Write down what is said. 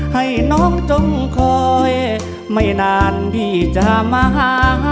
ให้น้องจงคอยไม่นานที่จะมาหา